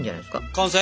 完成？